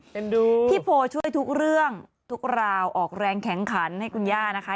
ดูพี่โพช่วยทุกเรื่องทุกราวออกแรงแข็งขันให้คุณย่านะคะ